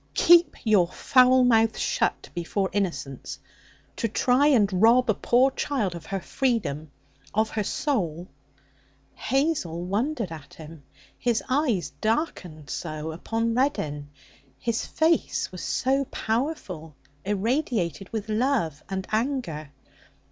'Keep your foul mouth shut before innocence! To try and rob a poor child of her freedom, of her soul ' Hazel wondered at him. His eyes darkened so upon Reddin, his face was so powerful, irradiated with love and anger.